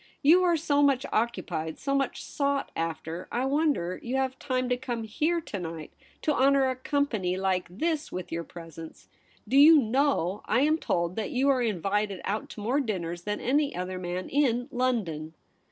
* You are so much occupied, so much sought after, I wonder you have time to come here to night, to honour a company Hke this with your presence. Do you know, I am told that you are invited out to more dinners than any other man in London.'